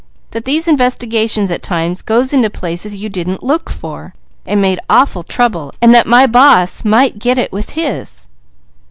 "That these investigations at times got into places you didn't look for, and made awful trouble; and that my boss might get it with his."